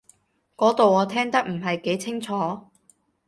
嗰度我聽得唔係幾清楚